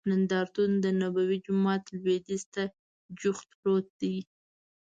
نندارتون دنبوي جومات لوید یځ ته جوخت پروت دی.